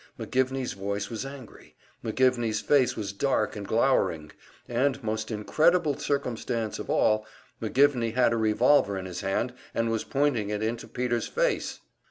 McGivney's voice was angry, McGivney's face was dark and glowering, and most incredible circumstance of all McGivney had a revolver in his hand, and was pointing it into Peter's face!